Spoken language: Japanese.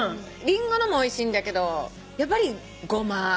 りんごのもおいしいんだけどやっぱりごま。